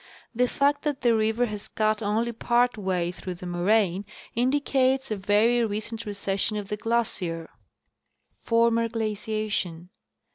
The fact that the river has cut only part way through the moraine indicates a very recent recession of the glacier. Records of ancient Ice Work. 155 Former Glaciation.